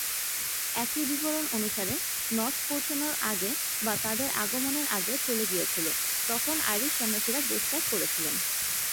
একই বিবরণ অনুসারে, নর্স পৌঁছানোর আগে বা তাদের আগমনের আগে চলে গিয়েছিল তখন আইরিশ সন্ন্যাসীরা দেশ ত্যাগ করেছিলেন।